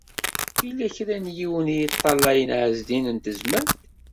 Yella kra n yiwen i yeṭṭalayen Ɛezdin n Tezmalt.